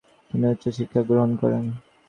তিনি উচ্চ শিক্ষা গ্রহণ করেন।